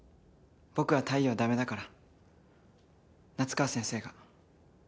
僕は太陽ダメだから夏川先生が。